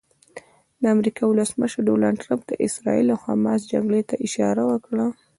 د امریکا ولسمشر ډونالډ ټرمپ د اسراییل او حماس جګړې ته اشاره وکړه.